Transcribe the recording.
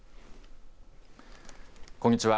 こんにちは。